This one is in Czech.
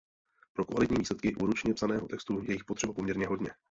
Pro kvalitní výsledky u ručně psaného textu je jich potřeba poměrně hodně.